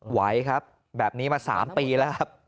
ไหวครับแบบนี้มา๓ปีแล้วครับ